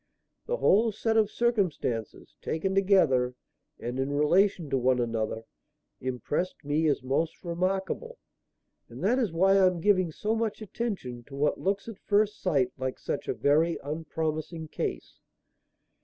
The whole set of circumstances, taken together and in relation to one another, impressed me as most remarkable; and that is why I am giving so much attention to what looks at first sight like such a very unpromising case.